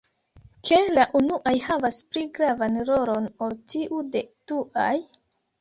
Ke la unuaj havas pli gravan rolon ol tiu de duaj?